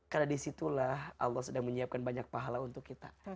karena disitulah allah sedang menyiapkan banyak pahala untuk kita